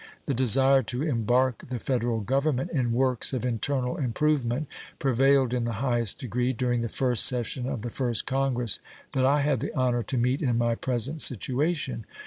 The desire to embark the Federal Government in works of internal improvement prevailed in the highest degree during the first session of the first Congress that I had the honor to meet in my present situation.